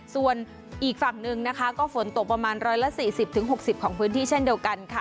ส่วนอีกฝั่งหนึ่งนะคะก็ฝนตกประมาณร้อยละสี่สิบถึงหกสิบของพื้นที่เช่นเดียวกันค่ะ